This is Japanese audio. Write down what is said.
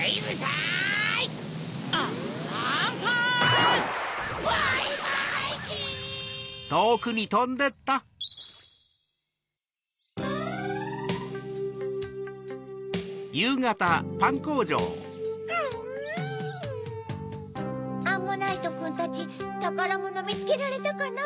・アン・「アンモナイトくんたちたからものみつけられたかな？」